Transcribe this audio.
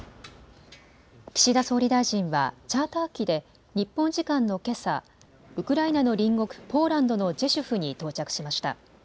岸田総理大臣はチャーター機で日本時間のけさ、ウクライナの隣国ポーランドのジェシュフに到着しました。